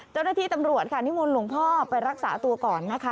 เจ้าหน้าที่ตำรวจค่ะนิมนต์หลวงพ่อไปรักษาตัวก่อนนะคะ